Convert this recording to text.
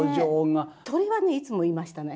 鳥はねいつもいましたね。